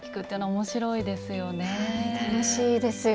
楽しいですよねえ。